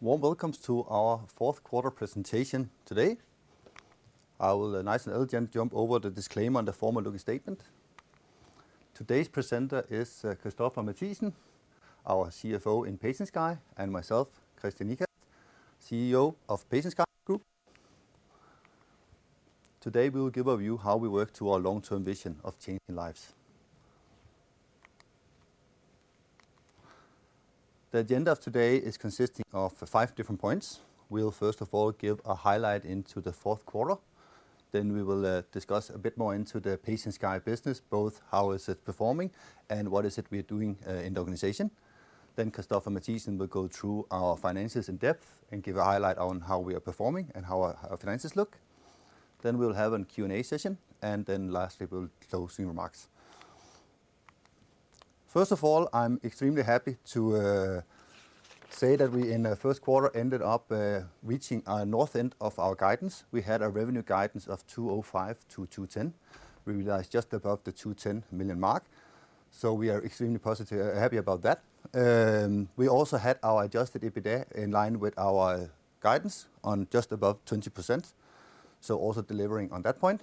Warm welcome to our fourth quarter presentation today. I will, nice and elegant, jump over the disclaimer and the formal-looking statement. Today's presenter is Christoffer Mathiesen, our CFO in PatientSky, and myself, Kristian Ikast, CEO of PatientSky Group. Today, we will give a view how we work to our long-term vision of changing lives. The agenda of today is consisting of five different points. We'll first of all give a highlight into the fourth quarter, then we will discuss a bit more into the PatientSky business, both how is it performing and what is it we are doing in the organization. Then Christoffer Mathiesen will go through our finances in depth and give a highlight on how we are performing and how our finances look. Then we'll have a Q&A session, and then lastly, we will have closing remarks. First of all, I'm extremely happy to say that we in the first quarter ended up reaching our upper end of our guidance. We had a revenue guidance of 205 million-210 million. We realized just above 210 million, so we are extremely positive, happy about that. We also had our adjusted EBITDA in line with our guidance of just above 20%, so also delivering on that point.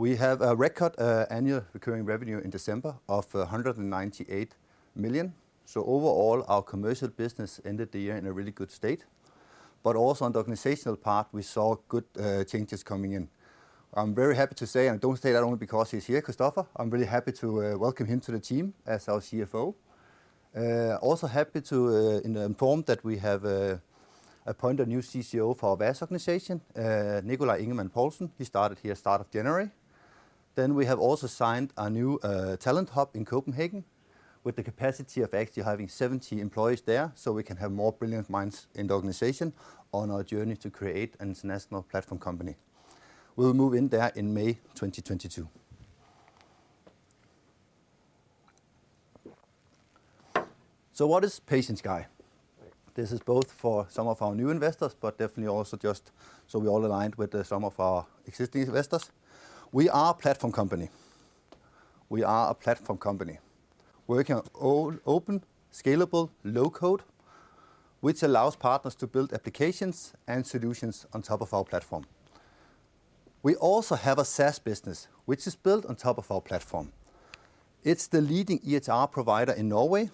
We have a record annual recurring revenue in December of 198 million. Overall, our commercial business ended the year in a really good state. Also on the organizational part, we saw good changes coming in. I'm very happy to say, and don't say that only because he's here, Christoffer, I'm really happy to welcome him to the team as our CFO. Also happy to inform that we have appointed a new CCO for our VAS organization, Nicolai Ingemann-Paulsen. He started here start of January. We have also signed a new talent hub in Copenhagen with the capacity of actually having 70 employees there, so we can have more brilliant minds in the organization on our journey to create an international platform company. We'll move in there in May 2022. What is PatientSky? This is both for some of our new investors, but definitely also just so we're all aligned with some of our existing investors. We are a platform company. We are a platform company working on open, scalable, low-code, which allows partners to build applications and solutions on top of our platform. We also have a SaaS business which is built on top of our platform. It's the leading EHR provider in Norway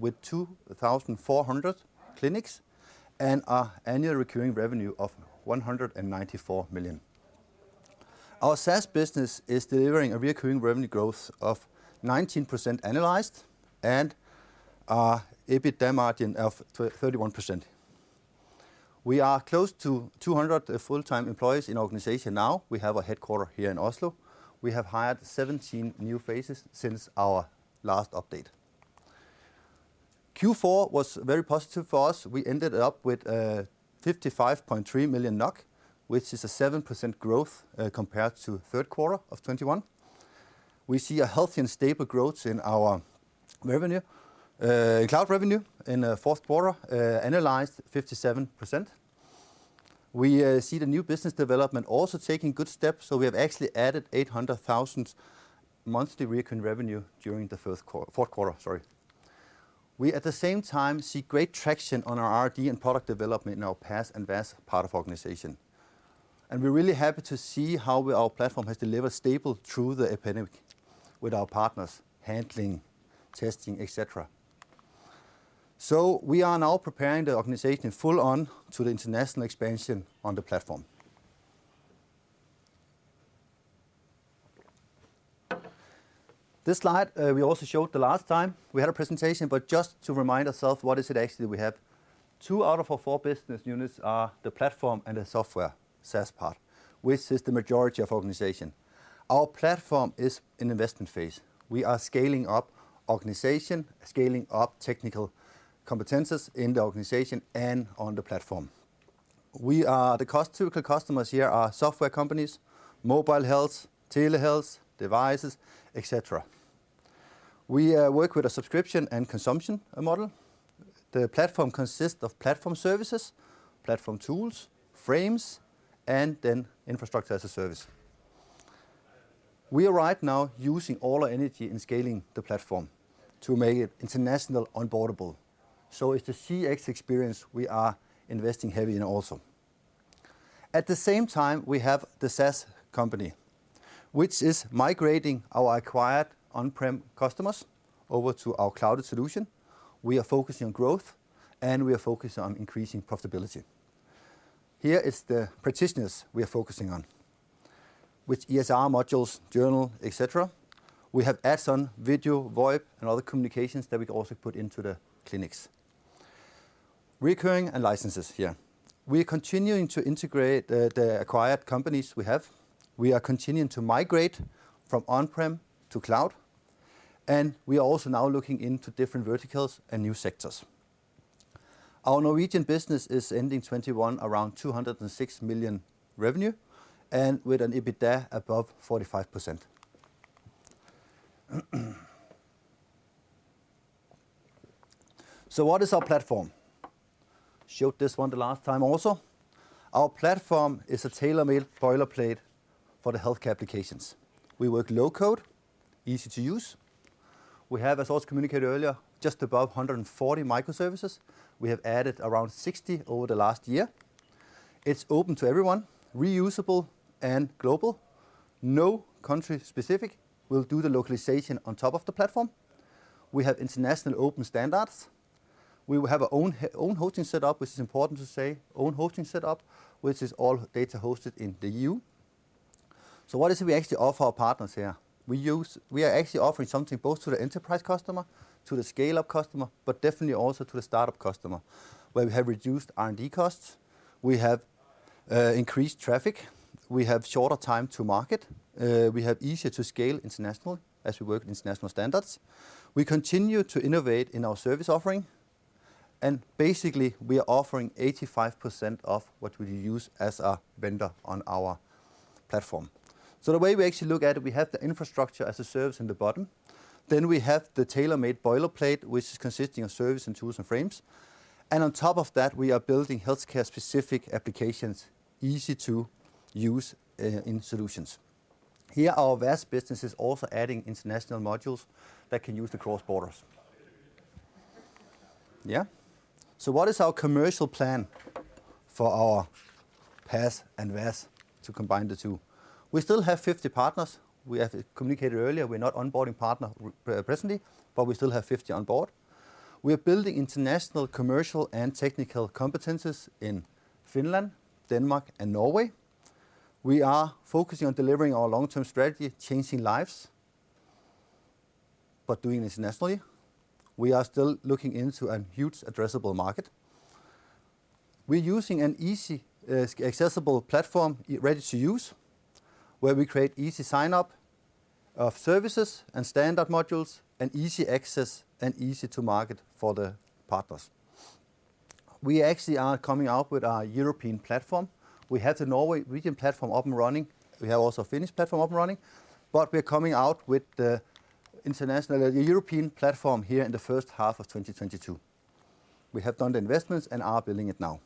with 2,400 clinics and an annual recurring revenue of 194 million. Our SaaS business is delivering a recurring revenue growth of 19% annualized and an EBITDA margin of 31%. We are close to 200 full-time employees in the organization now. We have a headquarters here in Oslo. We have hired 17 new faces since our last update. Q4 was very positive for us. We ended up with 55.3 million NOK, which is a 7% growth compared to third quarter of 2021. We see a healthy and stable growth in our cloud revenue in fourth quarter, annualized 57%. We see the new business development also taking good steps, so we have actually added 800,000 monthly recurring revenue during the fourth quarter, sorry. We at the same time see great traction on our R&D and product development in our PaaS and VAS part of organization. We're really happy to see how our platform has delivered stable through the epidemic with our partners handling testing, et cetera. We are now preparing the organization full on to the international expansion on the platform. This slide we also showed the last time we had a presentation, but just to remind ourselves what is it actually we have. Two out of our four business units are the platform and the software, SaaS part, which is the majority of organization. Our platform is in investment phase. We are scaling up organization, scaling up technical competencies in the organization and on the platform. Typical customers here are software companies, mobile health, telehealth, devices, et cetera. We work with a subscription and consumption model. The platform consists of platform services, platform tools, frameworks, and then infrastructure as a service. We are right now using all our energy in scaling the platform to make it international onboardable. It's the CX experience we are investing heavy in also. At the same time, we have the SaaS company, which is migrating our acquired on-prem customers over to our cloud solution. We are focusing on growth, and we are focused on increasing profitability. Here is the practitioners we are focusing on with EHR modules, journal, et cetera. We have add-on video, VoIP, and other communications that we can also put into the clinics. Recurring and licenses here. We are continuing to integrate the acquired companies we have. We are continuing to migrate from on-prem to cloud, and we are also now looking into different verticals and new sectors. Our Norwegian business is ending 2021 around 206 million revenue and with an EBITDA above 45%. What is our platform? Showed this one the last time also. Our platform is a tailor-made boilerplate for the healthcare applications. We work low-code, easy to use. We have, as also communicated earlier, just above 140 microservices. We have added around 60 over the last year. It's open to everyone, reusable and global. No country specific. We'll do the localization on top of the platform. We have international open standards. We will have our own hosting setup, which is all data hosted in the EU. What is it we actually offer our partners here? We are actually offering something both to the enterprise customer, to the scale-up customer, but definitely also to the startup customer, where we have reduced R&D costs, we have increased traffic, we have shorter time to market, we have easier to scale international as we work with international standards. We continue to innovate in our service offering and basically, we are offering 85% of what we use as a vendor on our platform. The way we actually look at it, we have the infrastructure as a service in the bottom, then we have the tailor-made boilerplate which is consisting of services, tools and frameworks, and on top of that, we are building healthcare-specific applications, easy to use EHR solutions. Here, our VAS business is also adding international modules that can use the cross-border. Yeah. What is our commercial plan for our PaaS and VAS to combine the two? We still have 50 partners. We have communicated earlier, we're not onboarding partners presently, but we still have 50 on board. We are building international commercial and technical competences in Finland, Denmark and Norway. We are focusing on delivering our long-term strategy of changing lives, but doing it internationally. We are still looking into a huge addressable market. We're using an easy, accessible platform, ready to use, where we create easy sign-up of services and standard modules, and easy access and easy to market for the partners. We actually are coming out with our European platform. We have the Norway region platform up and running. We have also Finnish platform up and running. We're coming out with the European platform here in the first half of 2022. We have done the investments and are building it now.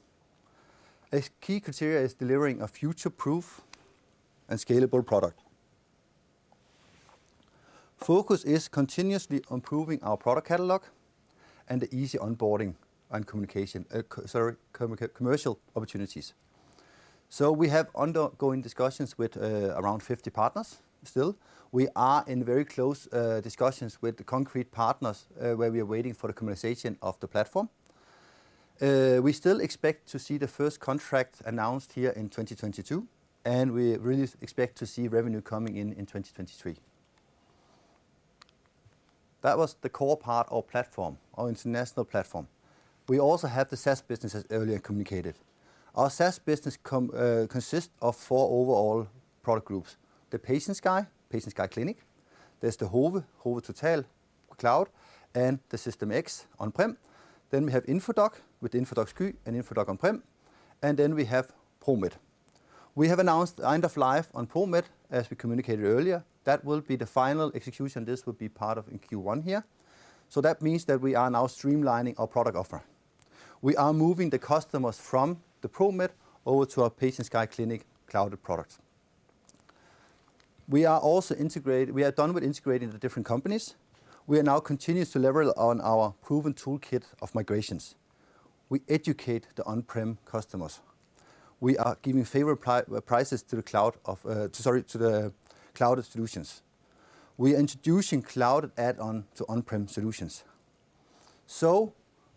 A key criteria is delivering a future-proof and scalable product. Focus is continuously improving our product catalog and easy onboarding and communication, commercial opportunities. We have ongoing discussions with around 50 partners still. We are in very close discussions with the concrete partners, where we are waiting for the commercialization of the platform. We still expect to see the first contract announced here in 2022, and we really expect to see revenue coming in in 2023. That was the core part of our platform, our international platform. We also have the SaaS business, as earlier communicated. Our SaaS business consists of four overall product groups. The PatientSky Clinic, there's the Hove Total Cloud, and the System X on-prem. We have Infodoc with Infodoc Sky and Infodoc on-prem. We have ProMed. We have announced the end of life on ProMed, as we communicated earlier. That will be the final execution. This will be part of in Q1 here. That means that we are now streamlining our product offer. We are moving the customers from the ProMed over to our PatientSky Clinic cloud products. We are done with integrating the different companies. We are now continuing to leverage on our proven toolkit of migrations. We educate the on-prem customers. We are giving favorable prices to the cloud solutions. We are introducing cloud add-on to on-prem solutions.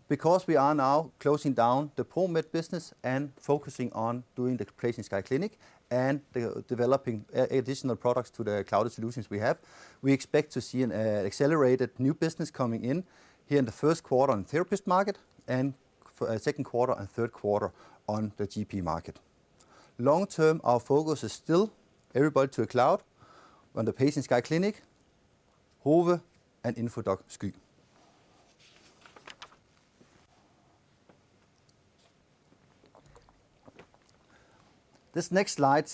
Because we are now closing down the ProMed business and focusing on doing the PatientSky Clinic and the developing additional products to the cloud solutions we have, we expect to see an accelerated new business coming in here in the first quarter on therapist market and for second quarter and third quarter on the GP market. Long-term, our focus is still everybody to the cloud on the PatientSky Clinic, Hove and Infodoc Sky. This next slide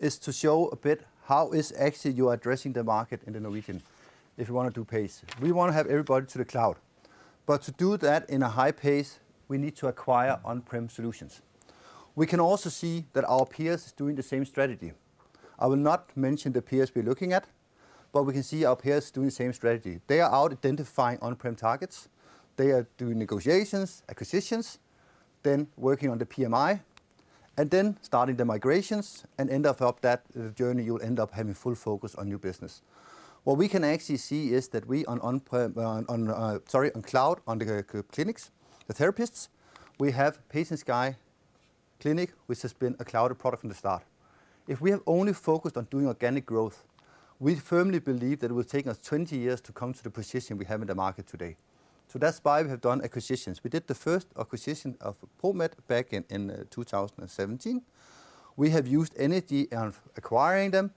is to show a bit how we are actually addressing the market in the Norwegian if you wanna do pace. We wanna have everybody to the cloud. To do that in a high pace, we need to acquire on-prem solutions. We can also see that our peers is doing the same strategy. I will not mention the peers we're looking at. We can see our peers doing the same strategy. They are out identifying on-prem targets. They are doing negotiations, acquisitions, then working on the PMI, and then starting the migrations and end of that journey, you'll end up having full focus on your business. What we can actually see is that we on-prem, sorry, on cloud, on the clinics, the therapists, we have PatientSky Clinic, which has been a cloud product from the start. If we have only focused on doing organic growth, we firmly believe that it would take us 20 years to come to the position we have in the market today. That's why we have done acquisitions. We did the first acquisition of ProMed back in 2017. We have used energy on acquiring them,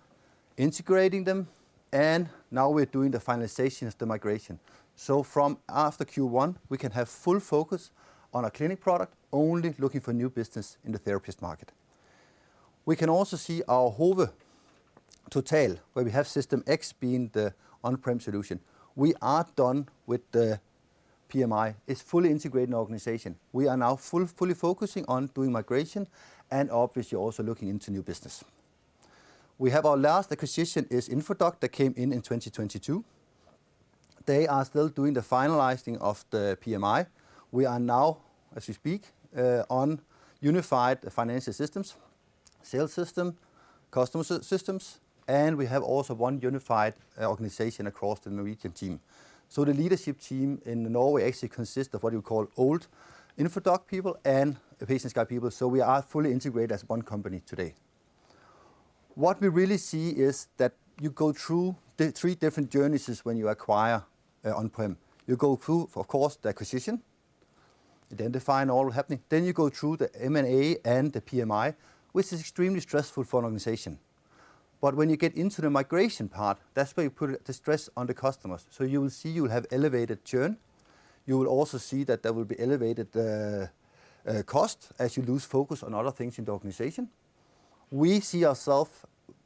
integrating them, and now we're doing the finalizations, the migration. From after Q1, we can have full focus on our clinic product, only looking for new business in the therapist market. We can also see our Hove Total, where we have System X being the on-prem solution. We are done with the PMI. It's fully integrated in organization. We are now fully focusing on doing migration and obviously also looking into new business. Our last acquisition is Infodoc that came in in 2022. They are still doing the finalizing of the PMI. We are now, as we speak, on unified financial systems, sales system, customer systems, and we have also one unified organization across the Norwegian team. The leadership team in Norway actually consists of what you call old Infodoc people and PatientSky people, so we are fully integrated as one company today. What we really see is that you go through the three different journeys when you acquire on-prem. You go through, of course, the acquisition, identifying all the synergies. You go through the M&A and the PMI, which is extremely stressful for an organization. When you get into the migration part, that's where you put the stress on the customers. You will see you have elevated churn. You will also see that there will be elevated cost as you lose focus on other things in the organization. We see ourselves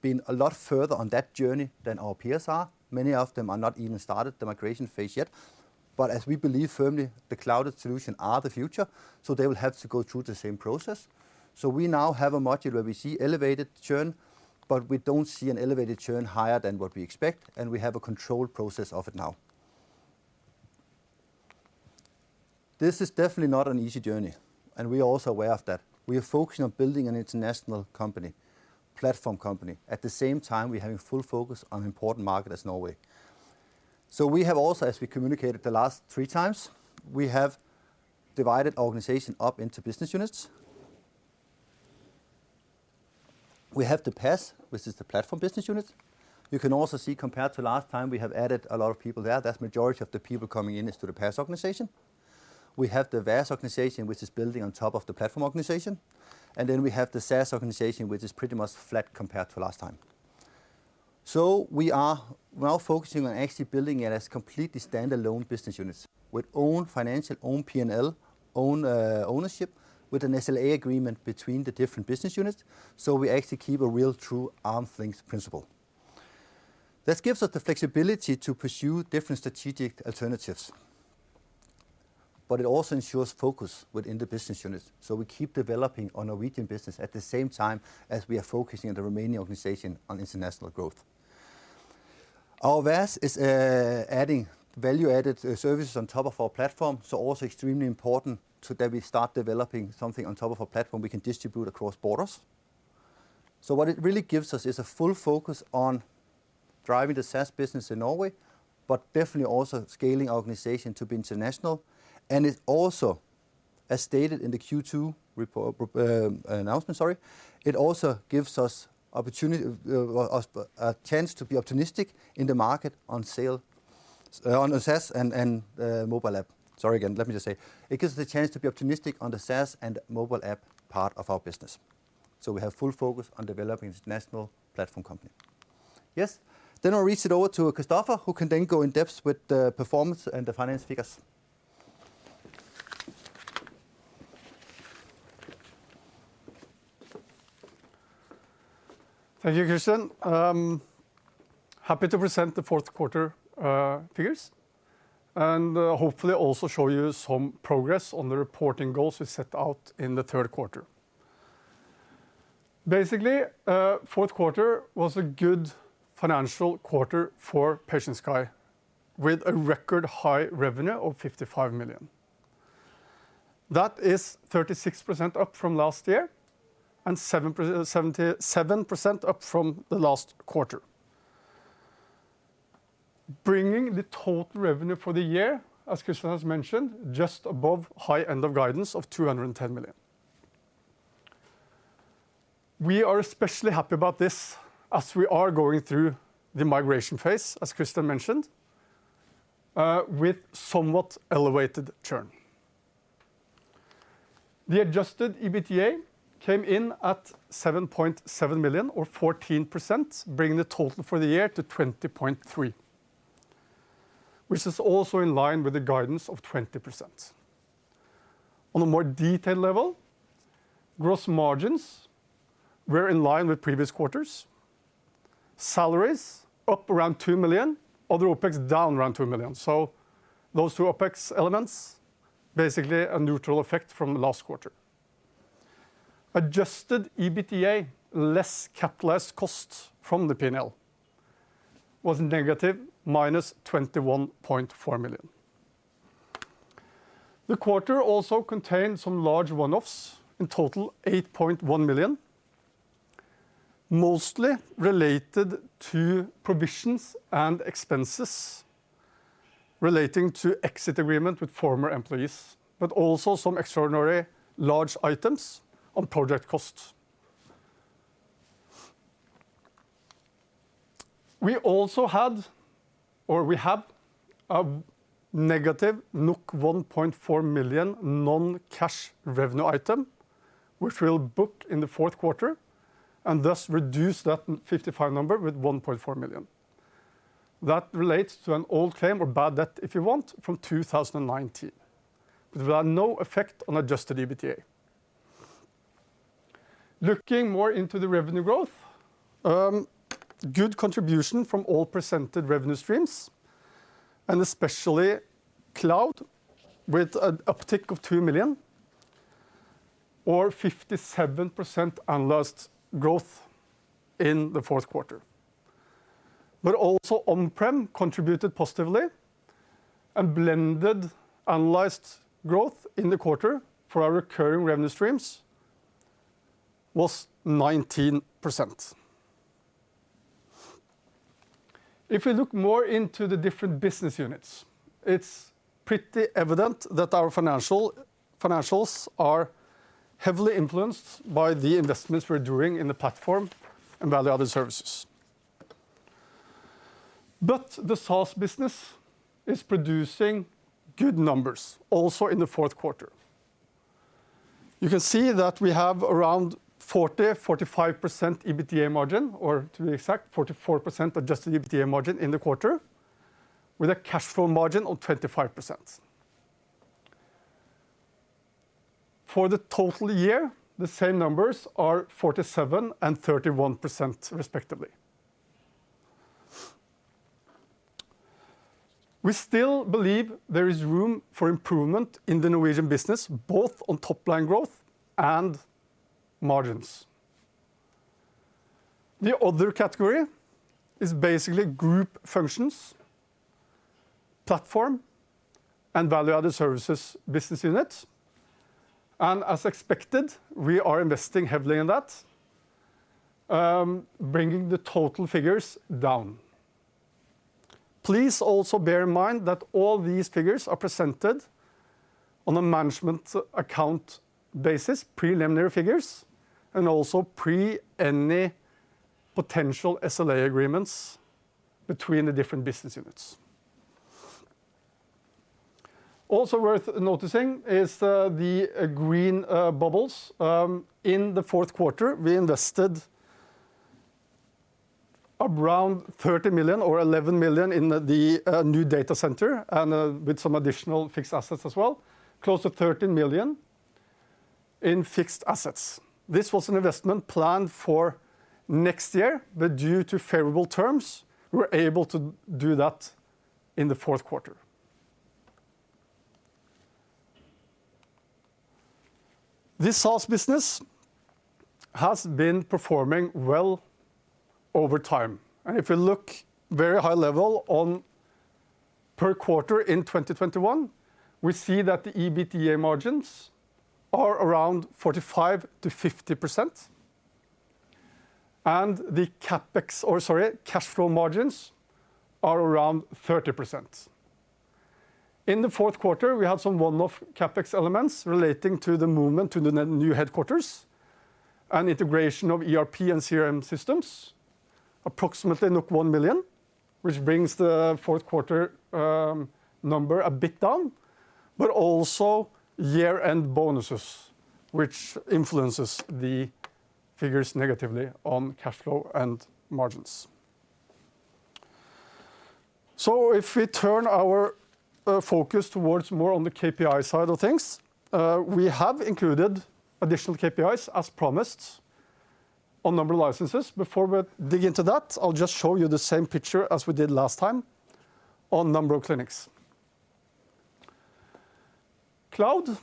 being a lot further on that journey than our peers are. Many of them are not even started the migration phase yet. As we believe firmly the cloud solutions are the future, so they will have to go through the same process. We now have a module where we see elevated churn, but we don't see an elevated churn higher than what we expect, and we have a controlled process of it now. This is definitely not an easy journey, and we are also aware of that. We are focusing on building an international company, platform company. At the same time, we're having full focus on important market as Norway. We have also, as we communicated the last three times, we have divided organization up into business units. We have the PaaS, which is the platform business unit. You can also see compared to last time, we have added a lot of people there. That's majority of the people coming in is to the PaaS organization. We have the VAS organization, which is building on top of the platform organization. We have the SaaS organization, which is pretty much flat compared to last time. We are now focusing on actually building it as completely standalone business units with own financial, own P&L, own ownership with an SLA agreement between the different business units. We actually keep a real true arm's length principle. This gives us the flexibility to pursue different strategic alternatives, but it also ensures focus within the business units. We keep developing our Norwegian business at the same time as we are focusing on the remaining organization on international growth. Our VAS is adding value-added services on top of our platform, so also extremely important so that we start developing something on top of our platform we can distribute across borders. What it really gives us is a full focus on driving the SaaS business in Norway, but definitely also scaling our organization to be international. It also, as stated in the Q2 report announcement, gives us the chance to be opportunistic on the SaaS and mobile app part of our business. We have full focus on developing international platform company. Yes. I'll hand it over to Christoffer, who can then go in depth with the performance and the financial figures. Thank you, Kristian. Happy to present the fourth quarter figures, and hopefully also show you some progress on the reporting goals we set out in the third quarter. Basically, fourth quarter was a good financial quarter for PatientSky with a record high revenue of 55 million. That is 36% up from last year and 77% up from the last quarter. Bringing the total revenue for the year, as Kristian has mentioned, just above high end of guidance of 210 million. We are especially happy about this as we are going through the migration phase, as Kristian mentioned, with somewhat elevated churn. The adjusted EBITDA came in at 7.7 million or 14%, bringing the total for the year to 20.3 million, which is also in line with the guidance of 20%. On a more detailed level, gross margins were in line with previous quarters. Salaries up around 2 million, other OpEx down around 2 million. Those two OpEx elements, basically a neutral effect from last quarter. Adjusted EBITDA, less capitalized costs from the P&L, was negative minus 21.4 million. The quarter also contained some large one-offs, in total 8.1 million, mostly related to provisions and expenses relating to exit agreement with former employees, but also some extraordinary large items on project costs. We also had, or we have, a negative 1.4 million non-cash revenue item, which we'll book in the fourth quarter and thus reduce that 55 number with 1.4 million. That relates to an old claim or bad debt, if you want, from 2019. There are no effect on adjusted EBITDA. Looking more into the revenue growth, good contribution from all presented revenue streams, and especially cloud with a tick of 2 million or 57% annualized growth in the fourth quarter. Also on-prem contributed positively and blended annualized growth in the quarter for our recurring revenue streams was 19%. If we look more into the different business units, it's pretty evident that our financials are heavily influenced by the investments we're doing in the platform and by the other services. The SaaS business is producing good numbers also in the fourth quarter. You can see that we have around 45% EBITDA margin, or to be exact, 44% adjusted EBITDA margin in the quarter, with a cash flow margin of 25%. For the total year, the same numbers are 47% and 31% respectively. We still believe there is room for improvement in the Norwegian business, both on top line growth and margins. The other category is basically group functions, platform, and value-added services business unit. As expected, we are investing heavily in that, bringing the total figures down. Please also bear in mind that all these figures are presented on a management account basis, preliminary figures, and also pre any potential SLA agreements between the different business units. Also worth noticing is the green bubbles. In the fourth quarter, we invested around 30 million or 11 million in the new data center and with some additional fixed assets as well, close to 13 million in fixed assets. This was an investment planned for next year, but due to favorable terms, we were able to do that in the fourth quarter. The SaaS business has been performing well over time, and if you look very high level on per quarter in 2021, we see that the EBITDA margins are around 45%-50%, and the CapEx, or sorry, cash flow margins are around 30%. In the fourth quarter, we have some one-off CapEx elements relating to the movement to the new headquarters and integration of ERP and CRM systems, approximately 1 million, which brings the fourth quarter number a bit down, but also year-end bonuses, which influences the figures negatively on cash flow and margins. If we turn our focus towards more on the KPI side of things, we have included additional KPIs as promised on number of licenses. Before we dig into that, I'll just show you the same picture as we did last time on number of clinics. Cloud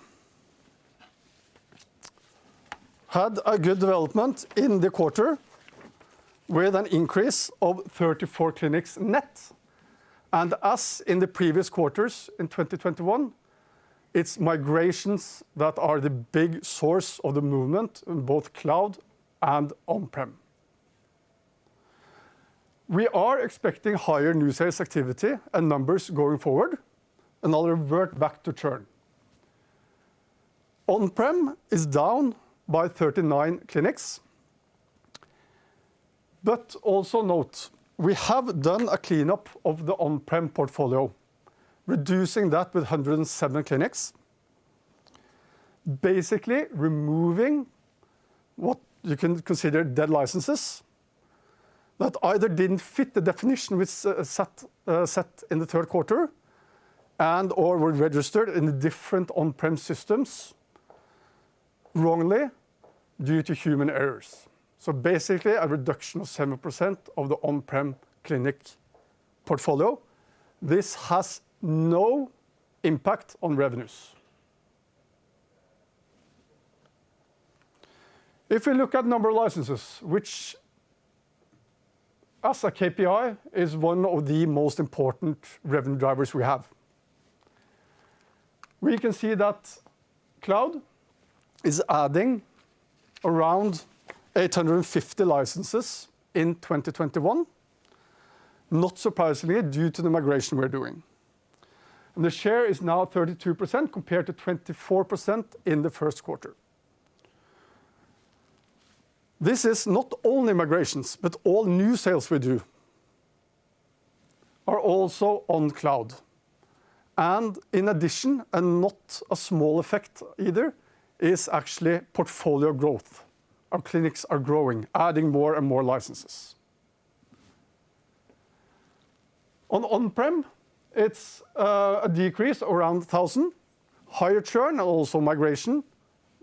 had a good development in the quarter with an increase of 34 clinics net. As in the previous quarters in 2021, it's migrations that are the big source of the movement in both cloud and on-prem. We are expecting higher new sales activity and numbers going forward and we're reverting back to churn. On-prem is down by 39 clinics. Also note, we have done a cleanup of the on-prem portfolio, reducing that with 107 clinics, basically removing what you can consider dead licenses that either didn't fit the definition which set in the third quarter, or were registered in different on-prem systems wrongly due to human errors. Basically a reduction of 7% of the on-prem clinic portfolio. This has no impact on revenues. If we look at number of licenses, which as a KPI is one of the most important revenue drivers we have, we can see that cloud is adding around 850 licenses in 2021, not surprisingly due to the migration we're doing. The share is now 32% compared to 24% in the first quarter. This is not only migrations, but all new sales we do are also on cloud. In addition, and not a small effect either, is actually portfolio growth. Our clinics are growing, adding more and more licenses. On on-prem, it's a decrease around 1,000. Higher churn and also migration,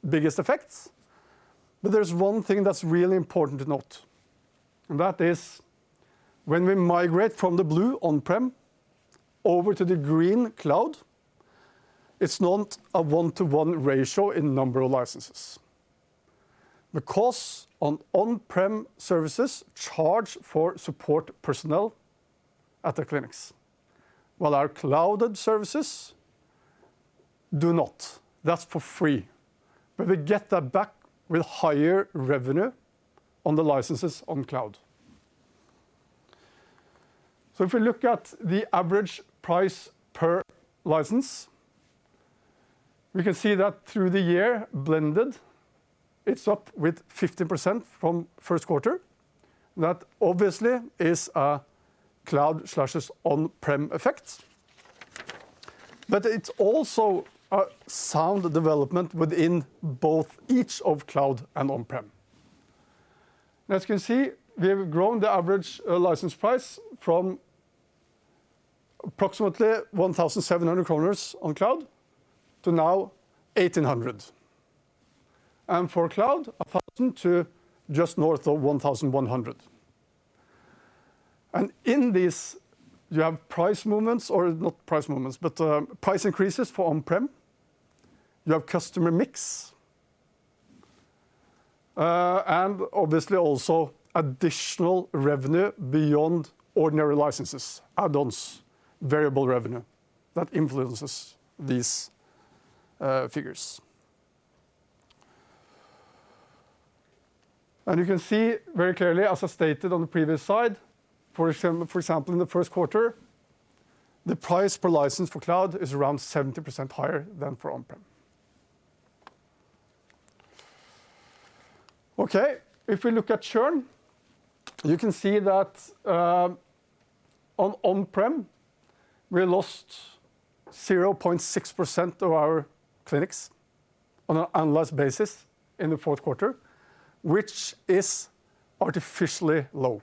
biggest effects. There's one thing that's really important to note, and that is when we migrate from the blue on-prem over to the green cloud, it's not a one-to-one ratio in number of licenses. The costs on on-prem services charge for support personnel at the clinics, while our cloud services do not. That's for free. We get that back with higher revenue on the licenses on cloud. If we look at the average price per license, we can see that through the year, blended, it's up 15% from first quarter. That obviously is a cloud slash on-prem effect. It's also a sound development within both, each of cloud and on-prem. As you can see, we have grown the average license price from approximately 1,700 kroner on cloud to now 1,800. For on-prem, 1,000 to just north of 1,100. In this, you have price movements or not price movements, but price increases for on-prem. You have customer mix. Obviously also additional revenue beyond ordinary licenses, add-ons, variable revenue that influences these figures. You can see very clearly, as I stated on the previous slide, for example, in the first quarter, the price per license for cloud is around 70% higher than for on-prem. Okay, if we look at churn, you can see that, on-prem, we lost 0.6% of our clinics on an annualized basis in the fourth quarter, which is artificially low.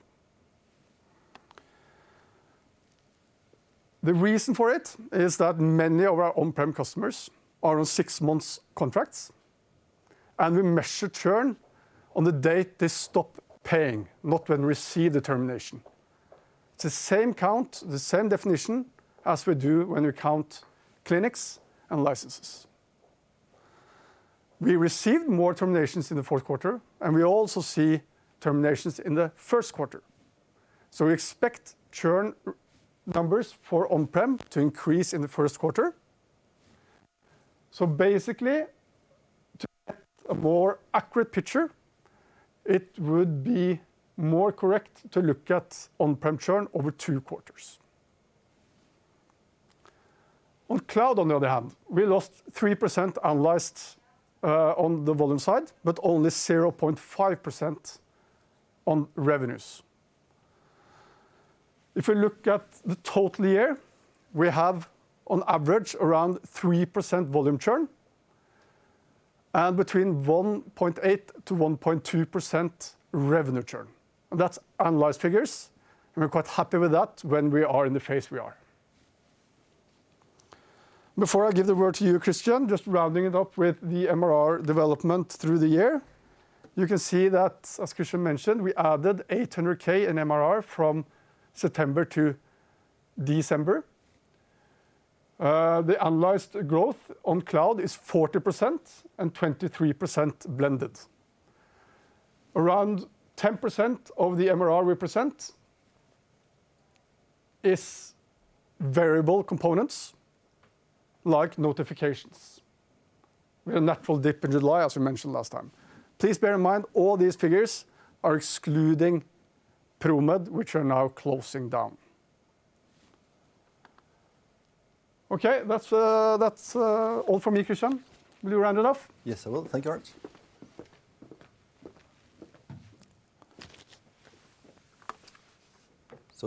The reason for it is that many of our on-prem customers are on six-month contracts, and we measure churn on the date they stop paying, not when we see the termination. It's the same count, the same definition as we do when we count clinics and licenses. We received more terminations in the fourth quarter, and we also see terminations in the first quarter. We expect churn numbers for on-prem to increase in the first quarter. Basically, to get a more accurate picture, it would be more correct to look at on-prem churn over two quarters. On cloud, on the other hand, we lost 3% annualized on the volume side, but only 0.5% on revenues. If we look at the total year, we have on average around 3% volume churn and between 1.8%-1.2% revenue churn. That's annualized figures, and we're quite happy with that when we are in the phase we are. Before I give the word to you, Kristian, just rounding it up with the MRR development through the year. You can see that, as Kristian mentioned, we added 800K in MRR from September to December. The annualized growth on cloud is 40% and 23% blended. Around 10% of the MRR we present is variable components like notifications. We had a natural dip in July, as we mentioned last time. Please bear in mind, all these figures are excluding ProMed, which are now closing down. Okay. That's all from me, Kristian. Will you round it off? Yes, I will. Thank you, Christoffer.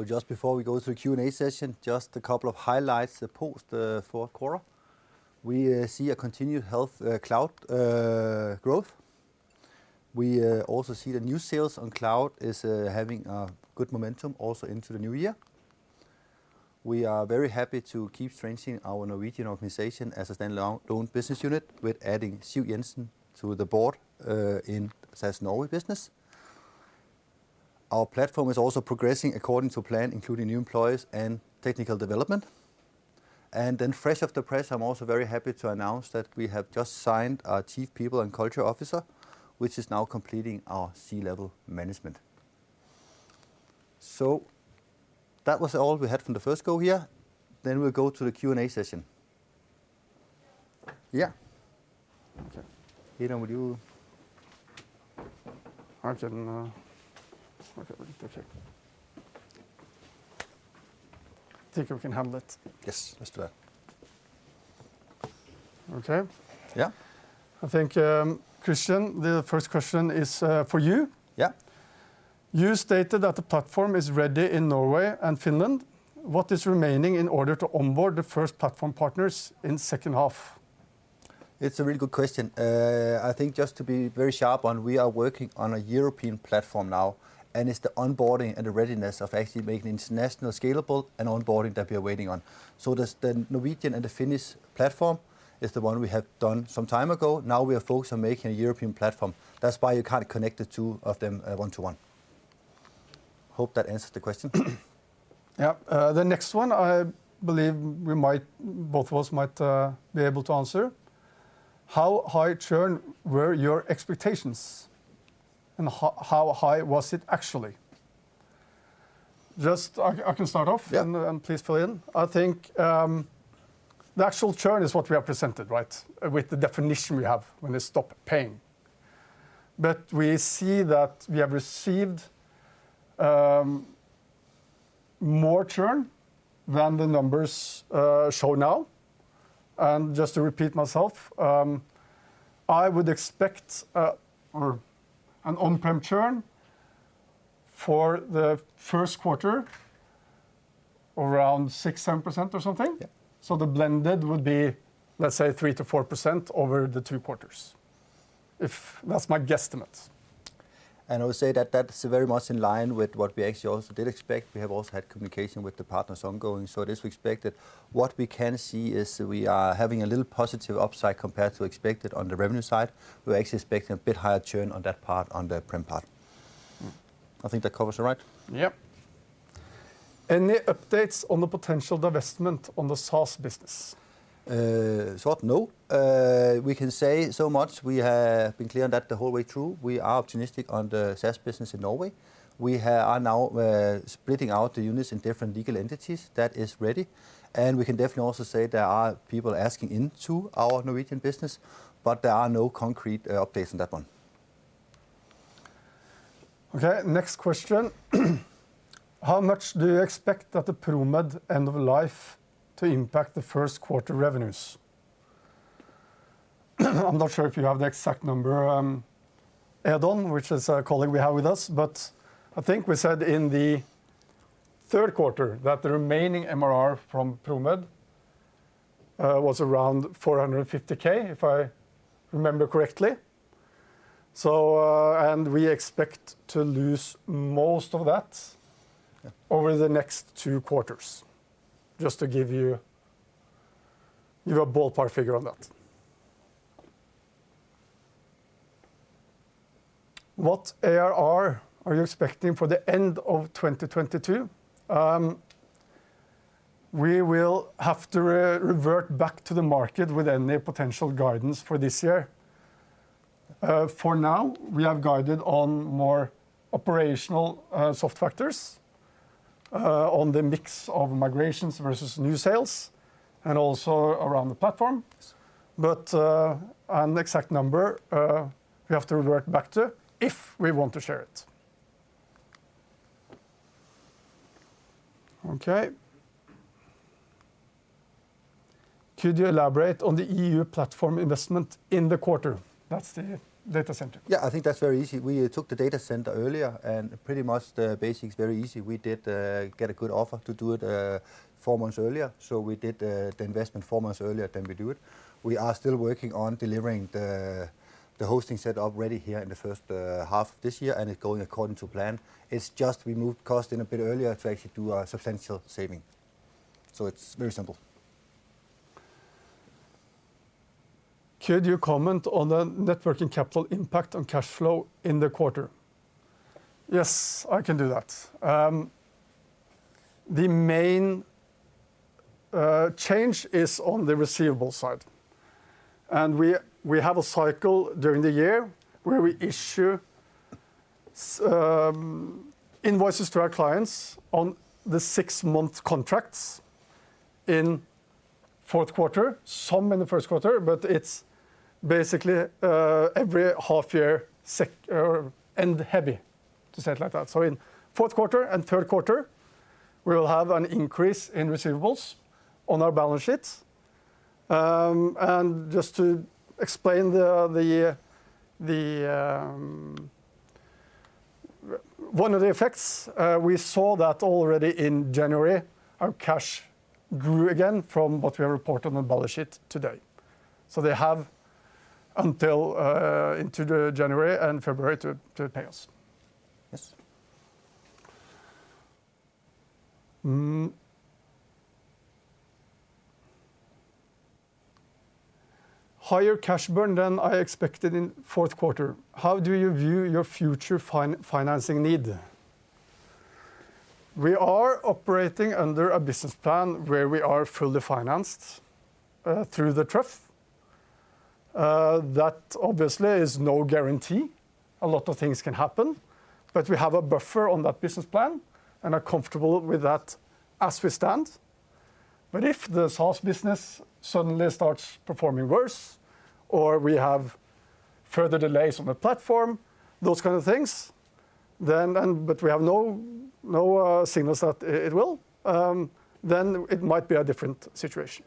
Just before we go to the Q&A session, just a couple of highlights post the fourth quarter. We see a continued healthy cloud growth. We also see the new sales in cloud is having a good momentum also into the new year. We are very happy to keep strengthening our Norwegian organization as a standalone business unit with adding Siv Jensen to the board in SaaS Norway business. Our platform is also progressing according to plan, including new employees and technical development. Fresh off the press, I'm also very happy to announce that we have just signed our Chief People and Culture Officer, which is now completing our C-level management. That was all we had from the first go here. We'll go to the Q&A session. Yeah. Okay. Ida, would you... Christoffer, I don't know. Okay. Let me just check. I think we can handle it. Yes, let's do that. Okay Yeah I think, Kristian Ikast, the first question is, for you. Yeah. You stated that the platform is ready in Norway on-prem churn for the first quarter around 6%-10% or something. Yeah. The blended would be, let's say 3%-4% over the two quarters. That's my guesstimate. I would say that that's very much in line with what we actually also did expect. We have also had communication with the partners ongoing, so it is expected. What we can see is we are having a little positive upside compared to expected on the revenue side. We're actually expecting a bit higher churn on that part, on the prem part. I think that covers it, right? Yeah. Any updates on the potential divestment on the SaaS business? No. We can say so much. We have been clear on that the whole way through. We are optimistic on the SaaS business in Norway. We are now splitting out the units in different legal entities. That is ready. We can definitely also say there are people asking into our Norwegian business, but there are no concrete updates on that one. Okay, next question. How much do you expect that the ProMed end of life to impact the first quarter revenues? I'm not sure if you have the exact number, Adam, which is a colleague we have with us, but I think we said in the third quarter that the remaining MRR from ProMed was around 450,000, if I remember correctly. We expect to lose most of that- Yeah Over the next two quarters. Just to give you a ballpark figure on that. What ARR are you expecting for the end of 2022? We will have to revert back to the market with any potential guidance for this year. For now, we have guided on more operational, soft factors, on the mix of migrations versus new sales, and also around the platform. Yes. An exact number, we have to revert back to if we want to share it. Okay. Could you elaborate on the EU platform investment in the quarter? That's the data center. Yeah, I think that's very easy. We took the data center earlier, and pretty much the basics very easy. We did get a good offer to do it four months earlier, so we did the investment four months earlier than we do it. We are still working on delivering the hosting set up ready here in the first half this year, and it's going according to plan. It's just we moved cost in a bit earlier to actually do a substantial saving. It's very simple. Could you comment on the net working capital impact on cash flow in the quarter? Yes, I can do that. The main change is on the receivables side. We have a cycle during the year where we issue invoices to our clients on the six-month contracts in fourth quarter, some in the first quarter, but it's basically every half year or end heavy, to say it like that. In fourth quarter and third quarter, we will have an increase in receivables on our balance sheets. Just to explain, one of the effects, we saw that already in January. Our cash grew again from what we report on the balance sheet today. They have until into January and February to pay us. Yes. Higher cash burn than I expected in fourth quarter. How do you view your future financing need? We are operating under a business plan where we are fully financed through the trough. That obviously is no guarantee. A lot of things can happen. We have a buffer on that business plan and are comfortable with that as we stand. If the SaaS business suddenly starts performing worse or we have further delays on the platform, those kind of things, then we have no signals that it will, then it might be a different situation.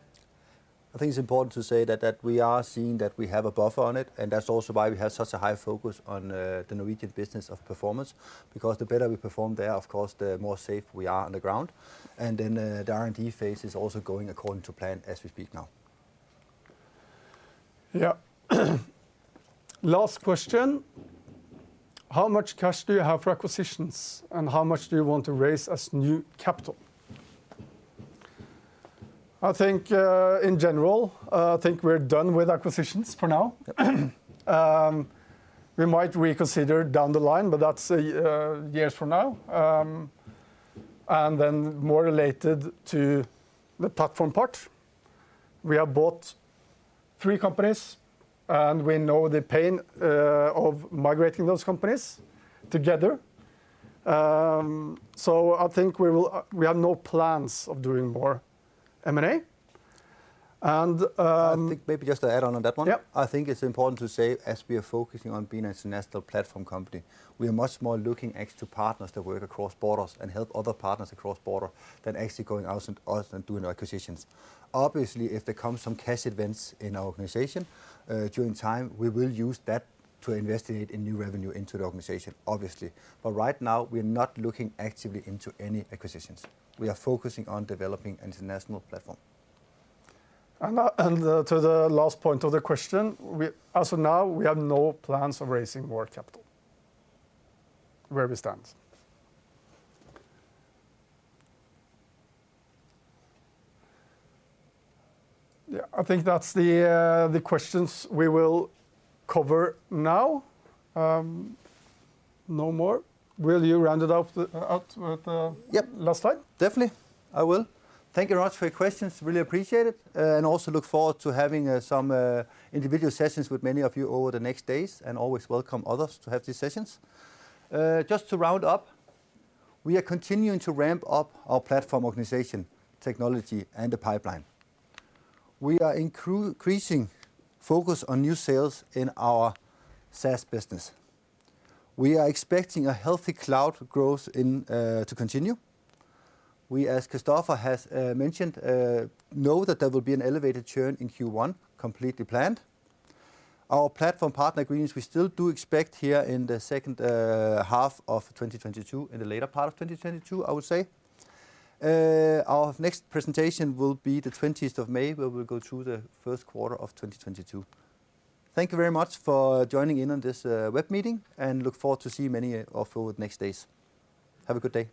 I think it's important to say that we are seeing that we have a buffer on it, and that's also why we have such a high focus on the Norwegian business performance. Because the better we perform there, of course, the more safe we are on the ground. The R&D phase is also going according to plan as we speak now. Yeah. Last question: how much cash do you have for acquisitions, and how much do you want to raise as new capital? I think, in general, I think we're done with acquisitions for now. We might reconsider down the line, but that's a few years from now. More related to the platform part, we have bought three companies, and we know the pain of migrating those companies together. I think we have no plans of doing more M&A. I think maybe just to add on that one. Yeah. I think it's important to say, as we are focusing on being an international platform company, we are much more looking at external partners that work across borders and help other partners across borders than actually going out and doing acquisitions. Obviously, if there comes some cash events in our organization, over time, we will use that to integrate new revenue into the organization, obviously. Right now, we're not looking actively into any acquisitions. We are focusing on developing international platform. To the last point of the question, as of now, we have no plans of raising more capital, where we stand. Yeah, I think that's the questions we will cover now. No more. Will you round it off. Yep Last slide? Definitely. I will. Thank you very much for your questions. Really appreciate it, and also look forward to having some individual sessions with many of you over the next days, and always welcome others to have these sessions. Just to round up, we are continuing to ramp up our platform organization, technology, and the pipeline. We are increasing focus on new sales in our SaaS business. We are expecting a healthy cloud growth in to continue. We, as Christoffer has mentioned, know that there will be an elevated churn in Q1, completely planned. Our platform partner agreements, we still do expect here in the second half of 2022, in the later part of 2022, I would say. Our next presentation will be the 20th of May, where we'll go through the first quarter of 2022. Thank you very much for joining in on this, web meeting, and look forward to seeing many of you over the next days. Have a good day.